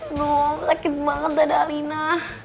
aduh sakit banget dada alina